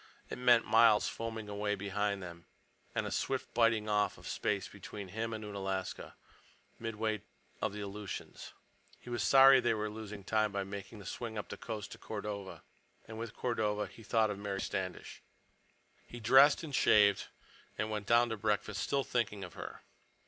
It meant miles foaming away behind them and a swift biting off of space between him and Unalaska, midway of the Aleutians. He was sorry they were losing time by making the swing up the coast to Cordova. And with Cordova he thought of Mary Standish. He dressed and shaved and went down to breakfast, still thinking of her.